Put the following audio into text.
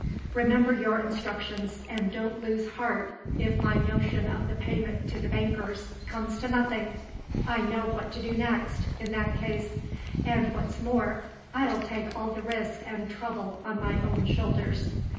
Remember your instructions, and don't lose heart if my notion of the payment to the bankers comes to nothing. I know what to do next, in that case and, what's more, I'll take all the risk and trouble on my own shoulders.